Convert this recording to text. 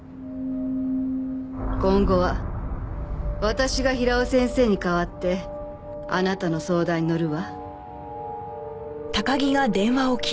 今後は私が平尾先生に代わってあなたの相談に乗るわ。